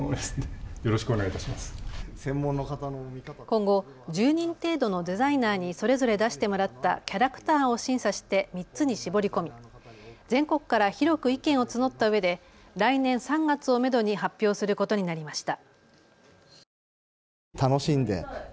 今後、１０人程度のデザイナーにそれぞれ出してもらったキャラクター案を審査して３つに絞り込み全国から広く意見を募ったうえで来年３月をめどに発表することになりました。